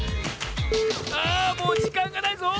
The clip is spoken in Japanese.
あもうじかんがないぞ！